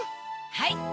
はい。